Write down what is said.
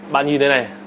bạn nhìn đây này